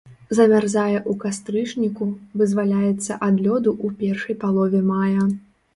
Замярзае ў кастрычніку, вызваляецца ад лёду ў першай палове мая.